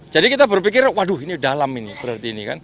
jadi kita berpikir waduh ini dalam ini